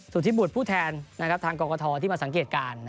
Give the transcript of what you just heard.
สุธิบุตรผู้แทนทางกรกฐที่มาสังเกตการณ์